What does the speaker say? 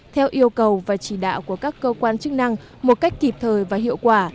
theo yêu cầu và chỉ đạo của các cơ quan chức năng một cách kịp thời và hiệu quả